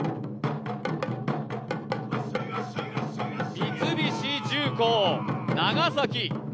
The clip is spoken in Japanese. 三菱重工・長崎。